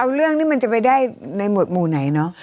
เอาเรื่องนี้มันจะไปได้ในหวดหมู่ไหนเนอะ